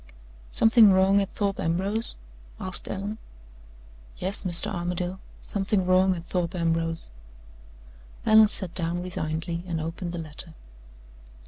"Something wrong at Thorpe Ambrose?" asked Allen. "Yes, Mr. Armadale; something wrong at Thorpe Ambrose." Allan sat down resignedly, and opened the letter.